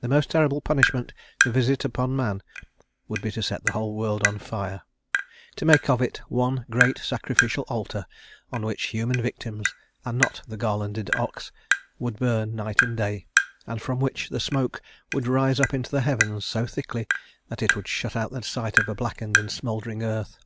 The most terrible punishment to visit upon man would be to set the whole world on fire, to make of it one great sacrificial altar on which human victims, and not the garlanded ox, would burn night and day, and from which the smoke would rise up into the heavens so thickly that it would shut out the sight of a blackened and smouldering earth.